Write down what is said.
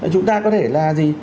chúng ta có thể là gì